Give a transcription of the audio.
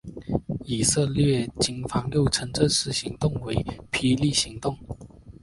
以色列军方又称这次行动为霹雳行动。